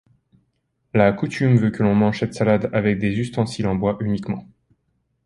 La coutume veut que l'on mange cette salade avec des ustensiles en bois uniquement.